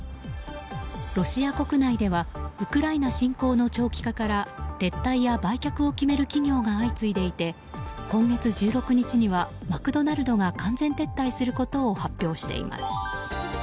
ロシア国内ではウクライナ侵攻の長期化から撤退や売却を決める企業が相次いでいて今月１６日にはマクドナルドが完全撤退することを発表しています。